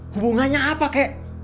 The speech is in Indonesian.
hubungannya apa kek